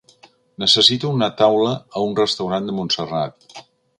Necessito una taula a un restaurant de Montserrat.